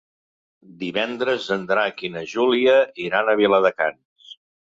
Divendres en Drac i na Júlia iran a Viladecans.